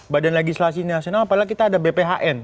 badan legislasi nasional apalagi kita ada bphn